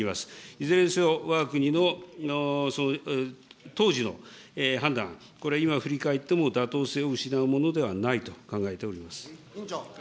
いずれにせよ、わが国の当時の判断、これ、今振り返っても、妥当性を失うものではないと考えております。